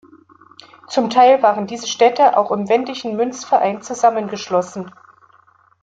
Zum Teil waren diese Städte auch im Wendischen Münzverein zusammengeschlossen.